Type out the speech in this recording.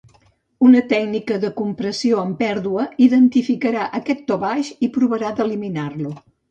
Una tècnica de compressió amb pèrdua identificarà aquest to baix i provarà d'eliminar-lo.